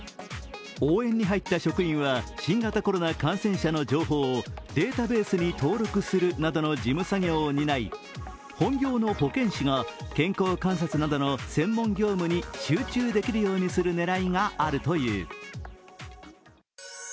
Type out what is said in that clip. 応援に入った職員は新型コロナ感染者の情報をデータベースに登録するなどの事務作業を担い、本業の保健師が健康観察などの専門業務に集中できるようにする狙いがあるという。